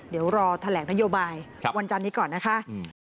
เดี๋ยวรอแถลงนโยบายวันจันนี้ก่อนนะคะ